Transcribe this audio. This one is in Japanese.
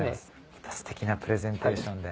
またステキなプレゼンテーションで。